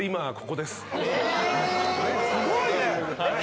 すごいね。